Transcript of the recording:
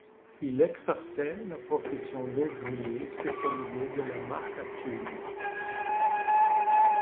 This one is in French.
Il exerçait la profession d’ouvrier spécialisé à l’usine de La Marque à Tulle.